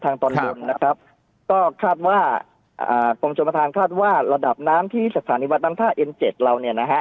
ทางตอนบนนะครับก็คาดว่าอ่าความชมฐานคาดว่าระดับน้ำที่ศักดิ์ฐานิวัตนธรรมท่านเจ็ดเราเนี้ยนะฮะ